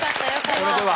それでは。